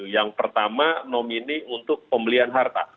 yang pertama nomini untuk pembelian harta